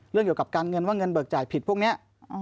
เรื่องเกี่ยวกับการเงินว่าเงินเบิกจ่ายผิดพวกนี้